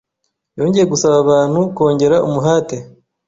Yongeye gusaba abantu "kongera umuhate